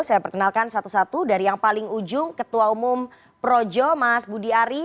saya perkenalkan satu satu dari yang paling ujung ketua umum projo mas budi ari